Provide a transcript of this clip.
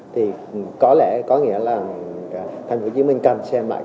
thì có lẽ có nghĩa là thành phố hồ chí minh cần xem mạnh